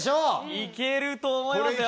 行けると思いますよ。